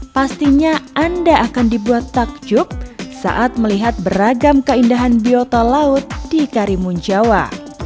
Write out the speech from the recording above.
pastinya anda akan dibuat takjub saat melihat beragam keindahan biota laut di karimun jawa